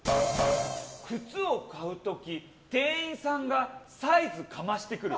靴を買う時、店員さんがサイズかましてくる。